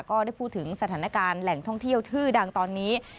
ก็ได้พูดถึงสถานการณ์แหล่งท่องเที่ยวชื่อดังตอนนี้